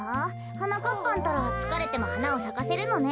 はなかっぱんったらつかれてもはなをさかせるのね。